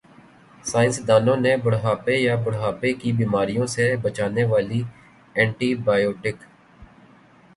سائنسدانوں نےبڑھاپے یا بڑھاپے کی بیماریوں سے بچانے والی اینٹی بائیوٹک